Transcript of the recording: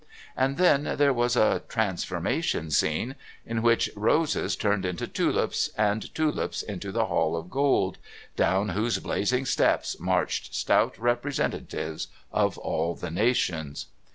And then there was a Transformation Scene, in which roses turned into tulips and tulips into the Hall of Gold, down whose blazing steps marched stout representatives of all the nations.